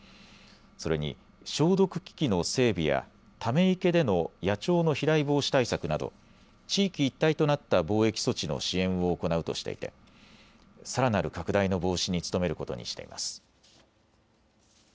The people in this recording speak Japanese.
それに消毒機器の整備やため池での野鳥の飛来防止対策など地域一体となった防疫措置の支援を行うとしていてさらなる拡大の防止に努めることにしています。